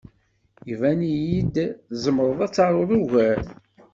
Iban-iyi-d tzemreḍ ad taruḍ ugar.